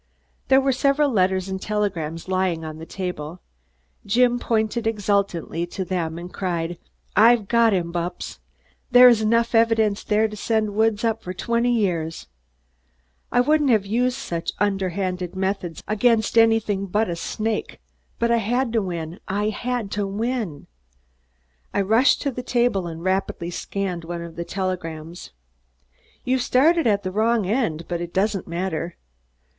There were several letters and telegrams lying on the table. Jim pointed exultantly to them and cried: "I've got him, Bupps! There is enough evidence there to send Woods up for twenty years. I wouldn't have used such underhand methods against any one else, against anything but a snake, but I had to win, I had to win!" I rushed to the table and rapidly scanned one of the telegrams. "You've started at the wrong end, but it doesn't matter.